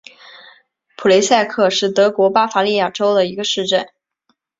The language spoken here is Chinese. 普雷塞克是德国巴伐利亚州的一个市镇。